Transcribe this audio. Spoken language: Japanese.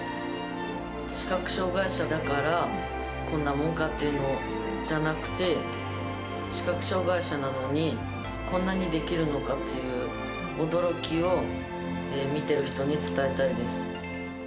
視覚障がい者だから、こんなもんかっていうのじゃなくて、視覚障がい者なのにこんなにできるのかっていう驚きを見ている人